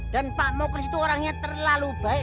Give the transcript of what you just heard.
dan pak mokris itu orangnya terlalu baik